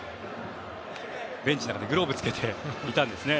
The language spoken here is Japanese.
ベンチの中でグローブを着けていたんですね。